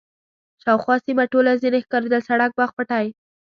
شاوخوا سیمه ټوله ځنې ښکارېدل، سړک، باغ، پټی.